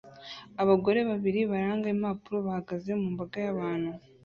Abagore babiri baranga impapuro bahagaze mu mbaga y'abantu